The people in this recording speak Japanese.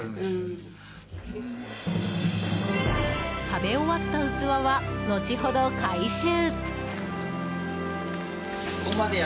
食べ終わった器は後ほど回収。